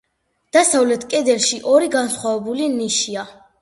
დასავლეთ კედელში ორი განსხვავებული ნიშია.